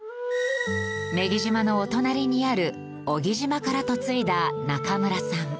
女木島のお隣にある男木島から嫁いだ中村さん。